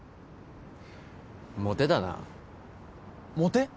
モテだなモテ？